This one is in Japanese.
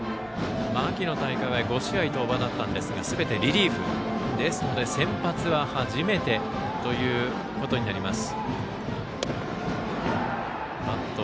秋の大会は５試合登板でしたがすべてリリーフですので先発は初めてとなります。